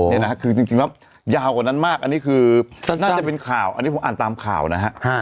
นี่นะฮะคือจริงแล้วยาวกว่านั้นมากอันนี้คือน่าจะเป็นข่าวอันนี้ผมอ่านตามข่าวนะฮะ